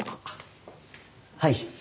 はい。